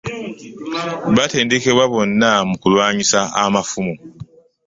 Batendekebwa bonna mu kulwanyisa amafumu.